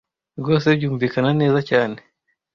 rwose byumvikana neza cyane